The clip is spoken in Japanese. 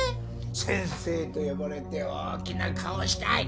先生と呼ばれて大きな顔したい！